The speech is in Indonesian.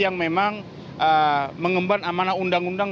yang memang mengemban amanah undang undang dan perkembangan